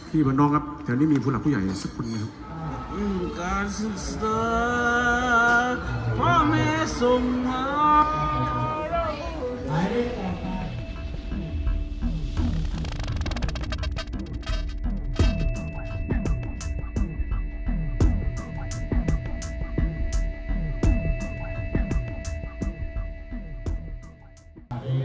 ที่บ้านนอกครับแถวนี้มีผู้หลากผู้ใหญ่อย่างสักคนนะครับ